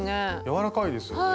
柔らかいですよね。